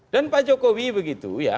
dan pak jokowi begitu ya